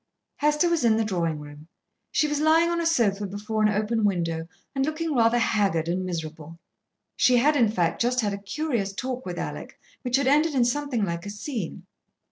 Hester was in the drawing room. She was lying on a sofa before an open window and looking rather haggard and miserable. She had, in fact, just had a curious talk with Alec which had ended in something like a scene.